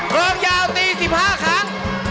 กรองยาวตี๑๕ครั้ง